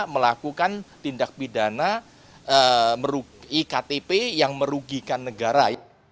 melakukan tindak pidana iktp yang merugikan negara